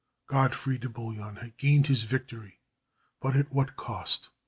Godfrey de Bouillon had gained his victory, but at what cost?